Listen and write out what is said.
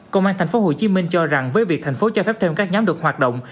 công an tp hcm cho rằng với việc tp hcm cho phép thêm các nhóm được hoạt động